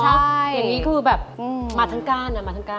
ใช่อย่างนี้คือแบบมาทั้งก้านอะ